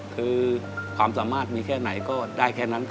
คือความสามารถมีแค่ไหนก็ได้แค่นั้น